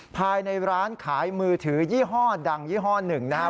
ภายในร้านขายมือถือยี่ห้อดังยี่ห้อหนึ่งนะครับ